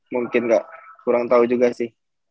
mungkin gak kurang tau juga sih